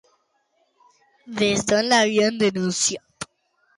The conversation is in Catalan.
Des d'on l'havien denunciat?